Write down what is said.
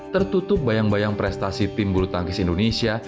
tertutup bayang bayang prestasi tim bulu tangkis indonesia